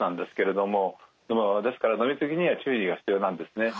でもですから飲み過ぎには注意が必要なんですね。